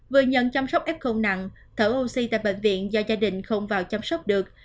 vừa nhận chăm sóc f nặng thở oxy tại bệnh viện do gia đình không vào chăm sóc được